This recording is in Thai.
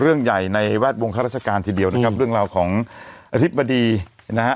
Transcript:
เรื่องใหญ่ในแวดวงข้าราชการทีเดียวนะครับเรื่องราวของอธิบดีนะฮะ